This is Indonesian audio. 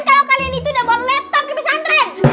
kalau kalian itu udah bawa laptop ke pisang tren